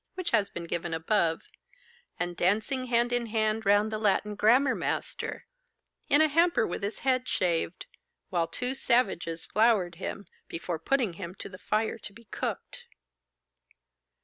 which has been given above, and dancing hand in hand round the Latin grammar master, in a hamper with his head shaved, while two savages floured him, before putting him to the fire to be cooked!